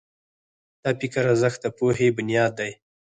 د فکر ارزښت د پوهې بنیاد دی.